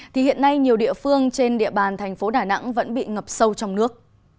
thì hiện nay nhiều địa phương trên địa bàn thành phố đà nẵng vẫn bị ngập sâu trong nước